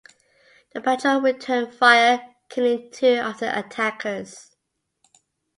The patrol returned fire, killing two of the attackers.